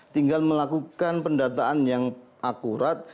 tinggal melakukan pendataan yang akurat